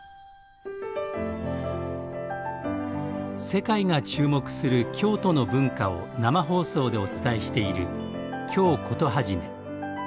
世界が注目する京都の文化を生放送でお伝えしている「京コトはじめ」。